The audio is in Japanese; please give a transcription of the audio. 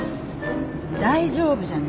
大丈夫じゃないよ。